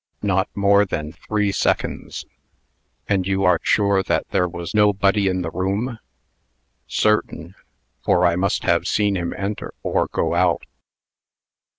"Not more than three seconds." "And you are sure that there was nobody in the room?" "Certain; for I must have seen him enter, or go out."